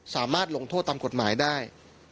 สามารถลงโทษตามกฎหมายได้